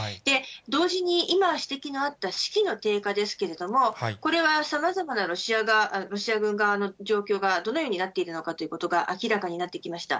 同時に今、指摘のあった士気の低下ですけれども、これはさまざまなロシア軍側の状況がどのようになっているのかということが明らかになってきました。